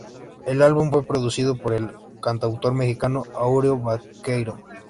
El álbum fue producido por el cantautor mexicano Áureo Baqueiro.